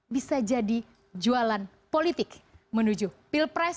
bisa jadi jualan politik menuju pilpres